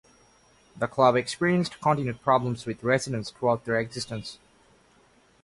The club experienced continued problems with residents throughout their existence.